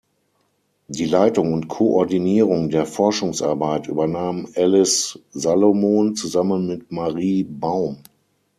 Die Leitung und Koordinierung der Forschungsarbeit übernahm Alice Salomon zusammen mit Marie Baum.